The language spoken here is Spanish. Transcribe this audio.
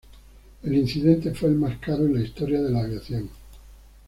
El incidente fue el más caro en la historia de la aviación.